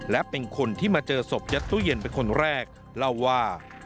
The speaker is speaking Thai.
และเป็นคนที่มาเจอศพยัดตู้เย็นเป็นคนแรกเล่าว่า